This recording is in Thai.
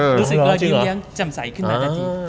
รู้สึกว่ากินเรียงจำใสขึ้นมากันจริง